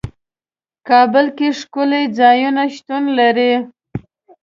کابل کې ښکلي ځايونه شتون لري.